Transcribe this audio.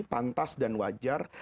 pantas dan wajar